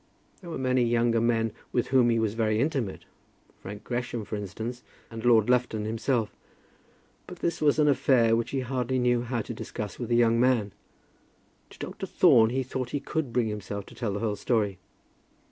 There were many younger men with whom he was very intimate, Frank Gresham, for instance, and Lord Lufton himself; but this was an affair which he hardly knew how to discuss with a young man. To Dr. Thorne he thought that he could bring himself to tell the whole story.